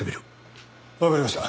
わかりました。